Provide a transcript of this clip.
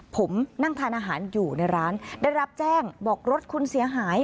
ผมนั่งทานอาหารอยู่ในร้านได้รับแจ้งบอกรถคุณเสียหาย